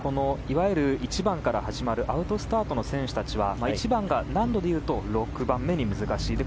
１番から始まるアウトスタートの選手は１番が難度でいうと６番目に難しい。